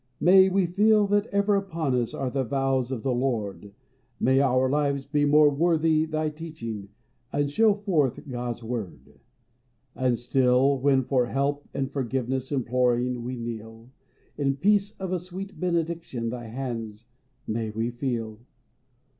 May we feel that ever upon us Are the vows of the Lord ; May our lives be more worthy thy teaching, And show forth God's word ; 60 PHILLIPS BROOKS. And still, when for help and forgiveness Imploring we kneel, In the peace of a sweet benediction. Thy hands may we feel.